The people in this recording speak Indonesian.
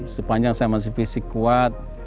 sepanjang saya masih fisik kuat